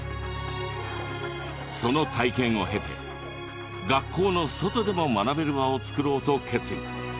その体験を経て学校の外でも学べる場を作ろうと決意。